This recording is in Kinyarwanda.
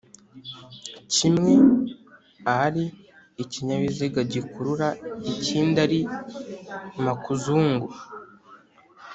kimwe ali ikinyabiziga gikurura, ikindi ari makuzungu